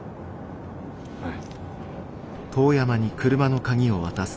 はい。